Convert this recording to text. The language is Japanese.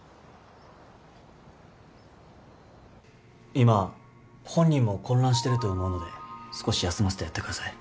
今本人も混乱してると思うので少し休ませてやってください。